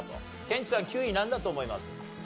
ケンチさん９位なんだと思います？